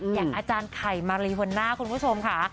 อย่างอาจารย์ไข่มารีหัวหน้าคุณผู้ชมค่ะ